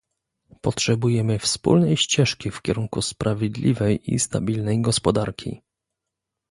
Potrzebujemy wspólnej ścieżki w kierunku sprawiedliwej i stabilnej gospodarki